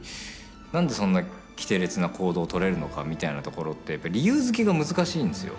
何でそんなきてれつな行動をとれるのかみたいなところって理由づけが難しいんですよ。